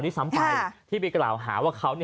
ซ้ำไปที่ไปกล่าวหาว่าเขา